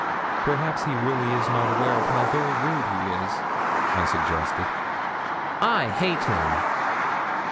'Perhaps he really is not aware how very rude he is,' I suggested. 'I hate him.